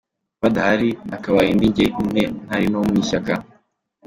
Badahari, nakabaye ndi njye nyine ntari no mu ishyaka.”